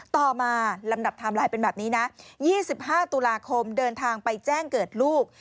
ต่อมาลำดับไทม์ไลน์เป็นแบบนี้นะ๒๕ตุลาคมเดินทางไปแจ้งเกิดลูก